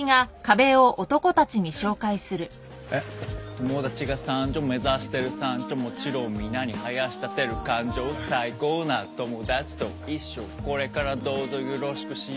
「友だちが参上目指してる山頂」「もちろんみなに囃し立てる感情」「最高な友達と一緒これからどうぞよろしくしよう」